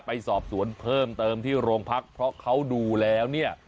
ไปสอบสวนเพิ่มเติมที่โรงพักเพราะเขาดูแล้วเนี่ย